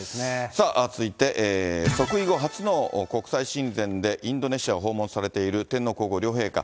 さあ、続いて即位後初の国際親善で、インドネシアを訪問されている天皇皇后両陛下。